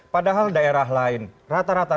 padahal daerah lain rata rata